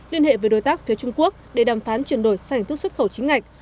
liên hệ với đối tác phía trung quốc để đàm phán chuyển đổi sang hình thức xuất khẩu chính ngạch